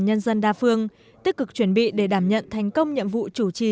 nhân dân đa phương tích cực chuẩn bị để đảm nhận thành công nhiệm vụ chủ trì